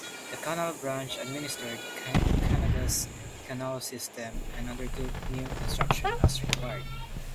The Canal Branch administered Canada's canal system and undertook new construction as required.